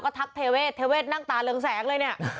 ทักเทเวศเทเวศนั่งตาเรืองแสงเลยเนี่ย